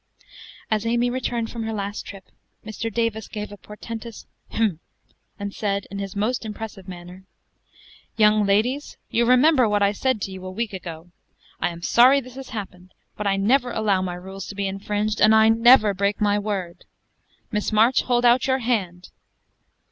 As Amy returned from her last trip, Mr. Davis gave a portentous "hem," and said, in his most impressive manner: "Young ladies, you remember what I said to you a week ago. I am sorry this has happened; but I never allow my rules to be infringed, and I never break my word. Miss March, hold out your hand."